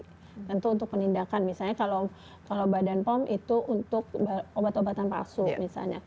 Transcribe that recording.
tentu untuk penindakan misalnya kalau badan pom itu untuk obat obatan palsu misalnya